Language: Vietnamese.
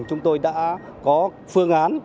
chúng tôi đã có phương án